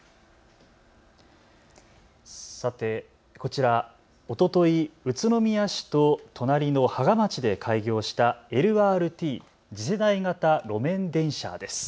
さてこちら、おととい宇都宮市と隣の芳賀町で開業したＬＲＴ・次世代型路面電車です。